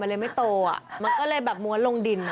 มันเลยไม่โตมันก็เลยม้วนลงดิน